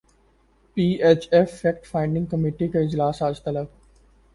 پی H F fact finding committee کا اجلاس اج طلب